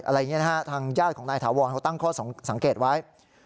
อะไรอย่างนี้นะฮะทางญาติของนายถาวรเขาตั้งข้อสังเกตไว้